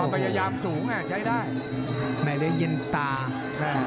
ก็มายยามสูงอ่ะใช้ได้ไม่เลยเย็นตาใช่หรอ